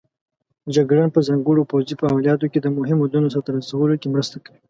جګړن په ځانګړو پوځي عملیاتو کې د مهمو دندو سرته رسولو کې مرسته کوي.